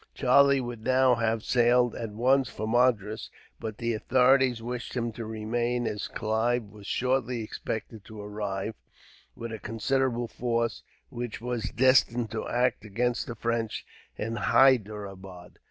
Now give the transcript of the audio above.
Charlie would now have sailed, at once, for Madras; but the authorities wished him to remain, as Clive was shortly expected to arrive, with a considerable force, which was destined to act against the French at Hyderabad.